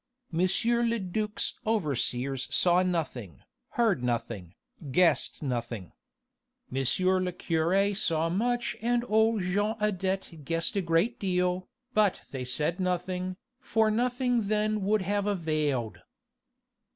M. le duc's overseers saw nothing, heard nothing, guessed nothing. M. le curé saw much and old Jean Adet guessed a great deal, but they said nothing, for nothing then would have availed.